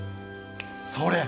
それ！